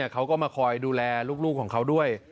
เขาก็มาคอยดูแลลูกของเขาด้วย